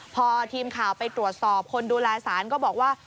พอทีมข่าวไปตรวจสอบคนดูแลสารก็บอกว่า